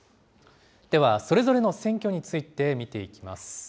では、それぞれの選挙について見ていきます。